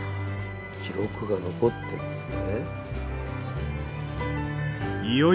記録が残ってるんですね。